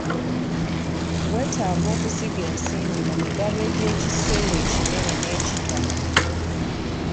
Weetaaga okusiga ensimbi mu migabo egy'ekiseera ekinene n'ekittono.